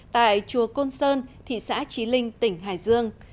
tại chùa côn sơn thị xã trí linh tỉnh hải dương